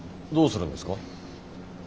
どうするんですか？